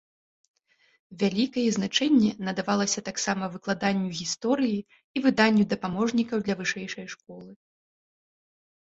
Вялікае значэнне надавалася таксама выкладанню гісторыі і выданню дапаможнікаў для вышэйшай школы.